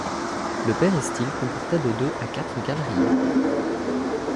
Le péristyle comportait de deux à quatre galeries.